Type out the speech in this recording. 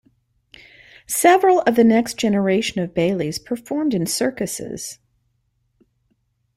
Several of the next generation of Baileys performed in circuses.